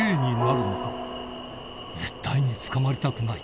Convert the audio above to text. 絶対に捕まりたくない